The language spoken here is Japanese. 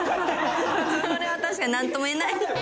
それは確かに何とも言えない。